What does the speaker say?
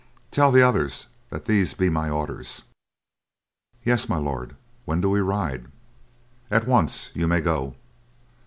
Tell the others that these be my orders." "Yes, My Lord. When do we ride?" "At once. You may go."